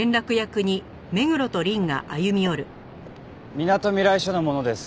みなとみらい署の者です。